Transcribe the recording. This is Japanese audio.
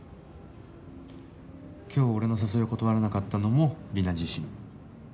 今日俺の誘いを断らなかったのもリナ自身。